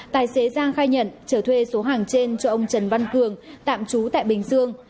tài xế giang khai nhận trở thuê số hàng trên cho ông trần văn cường tạm trú tại bình dương